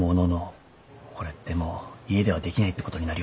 これってもう家ではできないってことになるよな。